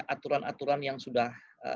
aturan aturan yang sudah